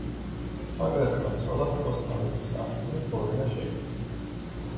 ბაგრატმა ცოლად ოსთა მეფის ასული ბორენა შეირთო.